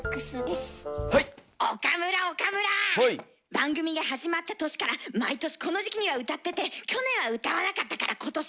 番組が始まった年から毎年この時期には歌ってて去年は歌わなかったから今年は歌うね！